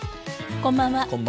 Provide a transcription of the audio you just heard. こんばんは。